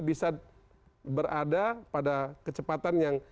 bisa berada pada kecepatan yang